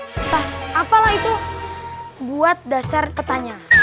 lantas apalah itu buat dasar petanya